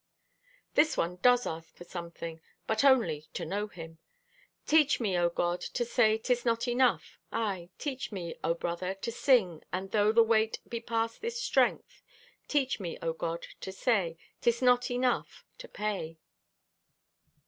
This one does ask for something, but only to know Him: Teach me, O God, To say, "'Tis not enough." Aye, teach me, O Brother, To sing, and though the weight Be past this strength, Teach me, O God, to say, "'Tis not enough—to pay!"